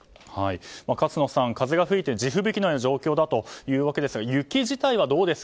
勝野さん、風が吹いて地吹雪のような状況だということですが雪自体はどうですか？